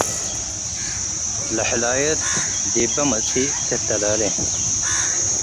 ለሕላየት ዲበ መጽእ ትተላሌ……